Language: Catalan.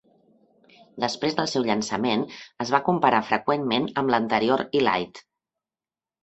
Després del seu llançament, es va comparar freqüentment amb l'anterior Elite.